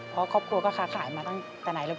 เพราะครอบครัวก็ค้าขายมาตั้งแต่ไหนแล้ว